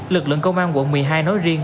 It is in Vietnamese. lực lượng công an quận một mươi hai nói riêng